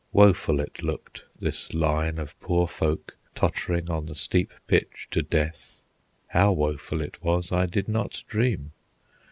Woeful it looked, this line of poor folk tottering on the steep pitch to death; how woeful it was I did not dream.